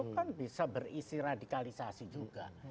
kan bisa berisi radikalisasi juga